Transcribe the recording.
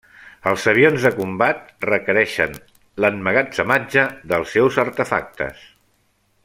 Els avions de combat requereixen l'emmagatzematge dels seus artefactes.